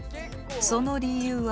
その理由は。